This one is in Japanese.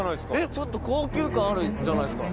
ちょっと高級感あるじゃないですか。